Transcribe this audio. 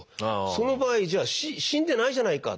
その場合じゃあ死んでないじゃないか。